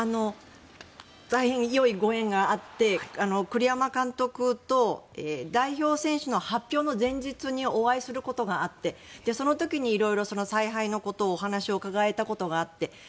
大変良いご縁があって栗山監督と代表選手の発表の前日にお会いすることがあってその時にいろいろ采配のことをお話を伺えたことがあって。